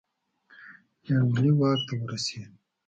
یانګلي واک ته ورسېد.